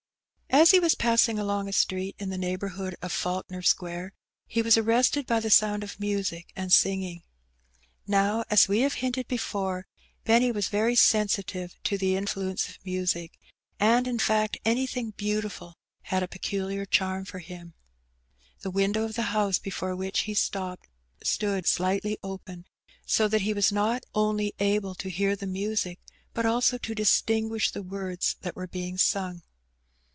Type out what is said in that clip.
As he was passing along a street in the neighbourhood of Falkner Square he was arrested by the sound of music and singing. Now, as we have hinted before, Benny was very sensitive to the influence of music, and, in fact, any thing beautiful had a peculiar charm for him. The window of the house before which he stopped stood slightly open, so that he was not only able to hear the music, but also to dis tinguish the words that were being sung.